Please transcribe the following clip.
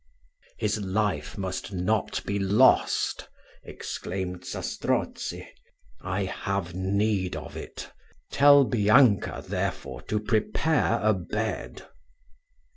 "His life must not be lost," exclaimed Zastrozzi; "I have need of it. Tell Bianca, therefore, to prepare a bed."